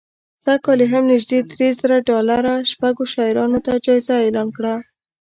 سږ کال یې هم نژدې درې زره ډالره شپږو شاعرانو ته جایزه اعلان کړه